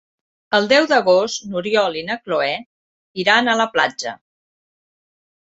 El deu d'agost n'Oriol i na Cloè iran a la platja.